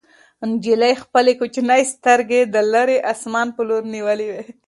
نجلۍ خپلې کوچنۍ سترګې د لیرې اسمان په لور نیولې وې.